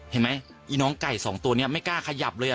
เห็นไหมอีน้องไก่สองตัวเนี้ยไม่กล้าขยับเลยอ่ะ